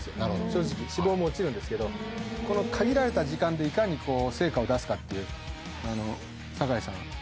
正直脂肪も落ちるんですけどこの限られた時間でいかに成果を出すかっていう酒井さん